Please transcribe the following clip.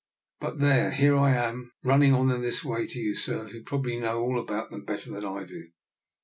But there, here I am rui ning on in this way to you, sir, who probably know all about them better than I do."